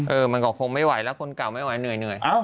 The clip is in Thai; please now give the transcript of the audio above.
มันก็คงไม่ไหวแล้วคนเก่าไม่ไหวเหนื่อย